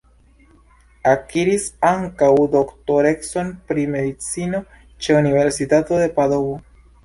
Akiris ankaŭ doktorecon pri medicino ĉe Universitato de Padovo.